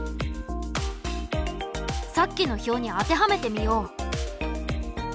さっきの表に当てはめてみよう。